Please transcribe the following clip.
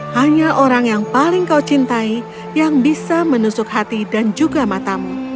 hanya orang yang paling kau cintai yang bisa menusuk hati dan juga matamu